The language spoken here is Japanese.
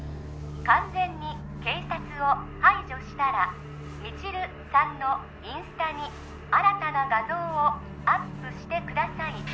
完全に警察を排除したら未知留さんのインスタに新たな画像をアップしてください